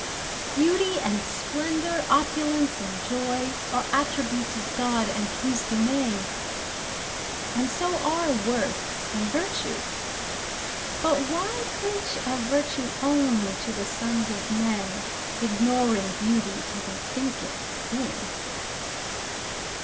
Beauty and splendour, opulence and joy, Are attributes of God and His domain, And so are worth and virtue. But why preach Of virtue only to the sons of men, Ignoring beauty, till they think it sin?